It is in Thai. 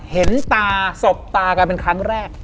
เห็นตาสบตากันเป็นครั้งแรก